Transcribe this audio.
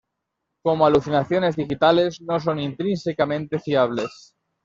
Como alucinaciones digitales, no son intrínsecamente fiables.